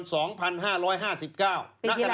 เป็นที่แล้วค่ะเป็นที่แล้ว